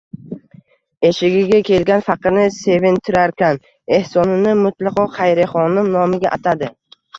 Eshigiga kelgan faqirni sevintirarkan, ehsonini mutlaqo Xayriyaxonim nomiga atadi.